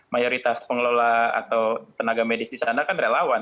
mayoritas pengelola atau tenaga medis di sana kan relawan